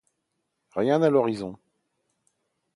Rien à l’horizon.